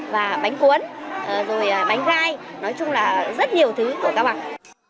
và bánh cuốn rồi bánh gai nói chung là rất nhiều thứ của cao bằng